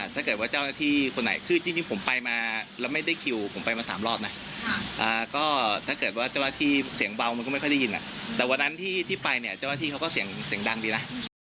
แต่วันที่ไปเจ้าอาทิตย์เขาก็เสียงดังดีนะ